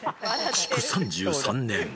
築３３年。